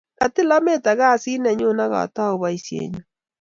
Katil ameto kasit ni nyu ak atau poisyennyu.